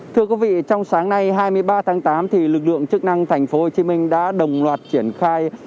thưa quý vị trong sáng nay hai mươi ba tháng tám lực lượng chức năng tp hcm đã đồng loạt triển khai